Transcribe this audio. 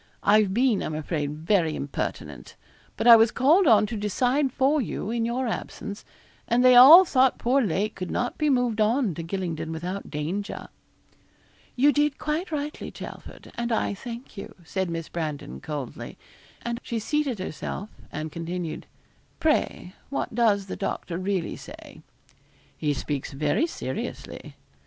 I've been, I'm afraid, very impertinent; but I was called on to decide for you, in your absence, and they all thought poor Lake could not be moved on to Gylingden without danger.' 'You did quite rightly, Chelford, and I thank you,' said Miss Brandon, coldly; and she seated herself, and continued 'Pray, what does the doctor really say?' 'He speaks very seriously.'